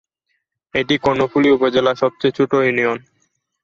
এটি কর্ণফুলী উপজেলার সবচেয়ে ছোট ইউনিয়ন।